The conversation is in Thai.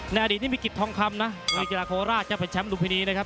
อดีตนี่มีกิจทองคำนะในกีฬาโคราชจะเป็นแชมป์ลุมพินีนะครับ